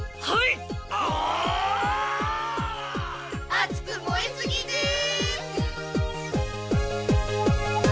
あつく燃えすぎです。